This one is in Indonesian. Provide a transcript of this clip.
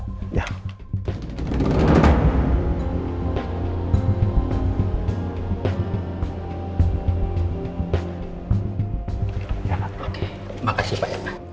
terima kasih pak